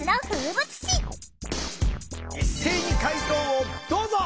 一斉に解答をどうぞ！